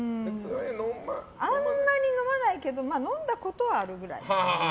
あんまり飲まないけど飲んだことはあるくらい。